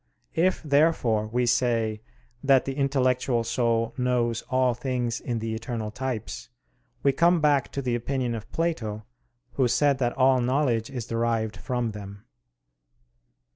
If therefore we say that the intellectual soul knows all things in the eternal types, we come back to the opinion of Plato who said that all knowledge is derived from them.